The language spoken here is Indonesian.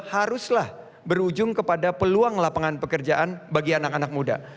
haruslah berujung kepada peluang lapangan pekerjaan bagi anak anak muda